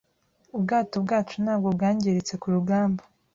Ubwato bwacu ntabwo bwangiritse kurugamba.